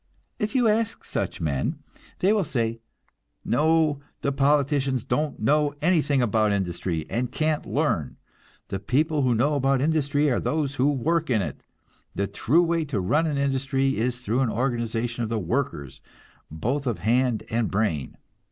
If you ask such men, they will say: "No; the politicians don't know anything about industry, and can't learn. The people who know about industry are those who work in it. The true way to run an industry is through an organization of the workers, both of hand and brain.